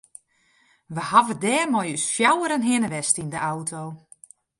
We hawwe dêr mei ús fjouweren hinne west yn de auto.